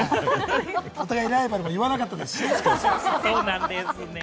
お互いライバルも言わなかったですしね。